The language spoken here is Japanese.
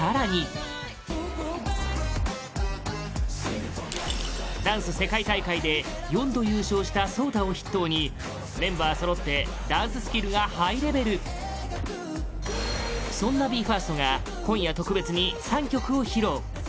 「Ｂａ‐ＢｏｏｍＢｏｏｍＢａｃｋ」ダンス世界大会で４度優勝した ＳＯＴＡ を筆頭にメンバーそろってダンススキルがハイレベルそんな ＢＥ：ＦＩＲＳＴ が今夜、特別に３曲を披露